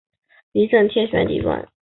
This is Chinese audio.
一阵天旋地转